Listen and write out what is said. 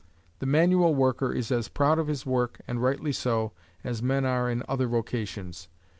The manual worker is as proud of his work, and rightly so, as men are in other vocations.